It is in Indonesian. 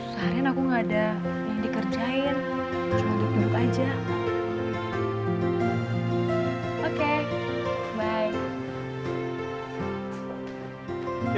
seharian aku nggak ada yang dikasi